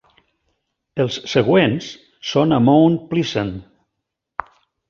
Els següents són a Mount Pleasant.